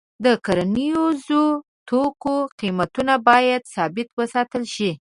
د کرنیزو توکو قیمتونه باید ثابت وساتل شي.